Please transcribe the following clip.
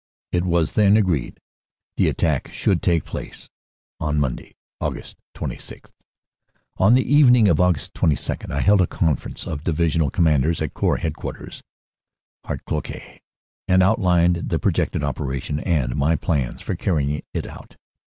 It was then agreed the attack should take place on Monday, Aug. 26. "On the evening of Aug. 22 I held a conference of Divi sional Commanders at Corps Headquarters (Hautecloque) and outlined the projected operation and my plans for carrying it out.